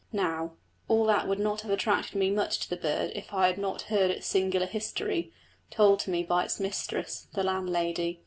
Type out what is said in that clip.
Now, all that would not have attracted me much to the bird if I had not heard its singular history, told to me by its mistress, the landlady.